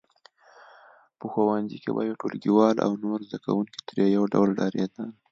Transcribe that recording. په ښوونځي کې به یې ټولګیوال او نور زده کوونکي ترې یو ډول ډارېدل